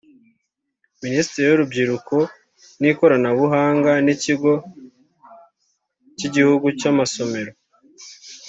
Minisiteri y’Urubyiruko n’Ikoranabuhanga n’Ikigo cy’Igihugu cy’Amasomero